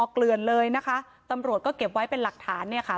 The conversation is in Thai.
เกลือนเลยนะคะตำรวจก็เก็บไว้เป็นหลักฐานเนี่ยค่ะ